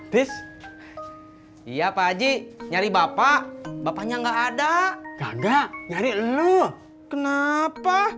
bis iya pak haji nyari bapak bapaknya enggak ada enggak nyari lu kenapa